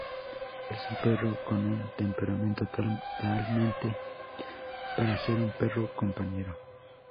És un perro con un temperamento totalmente para ser un perro compañero.